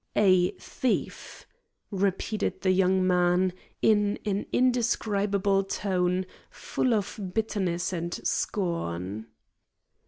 "A thief!" repeated the young man, in an indescribable tone full of bitterness and scorn.